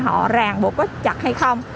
họ ràng buộc có chặt hay không